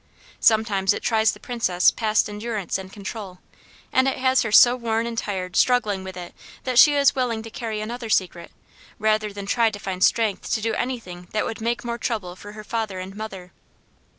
Sometimes it tries the Princess past endurance and control; and it has her so worn and tired struggling with it that she is willing to carry another secret, rather than try to find strength to do anything that would make more trouble for her father and mother."